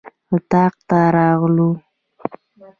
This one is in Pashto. اطاق ته راغلو.